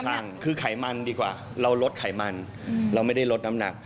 ใช่คือไขมันดีกว่าเราลดไขมันเราไม่ได้ลดน้ำหนัก